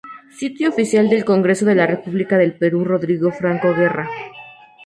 Sitio oficial del Congreso de la República del Perú-Rodrigo Franco Guerra